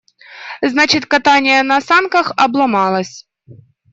Значит, катание на санках «обломалось».